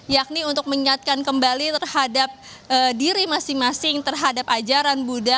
yakni untuk mengingatkan kembali terhadap diri masing masing terhadap ajaran buddha